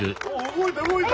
動いた動いた！